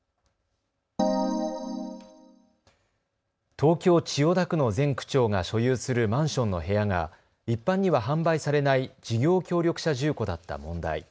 東京千代田区の前区長が所有するマンションの部屋が一般には販売されない事業協力者住戸だった問題。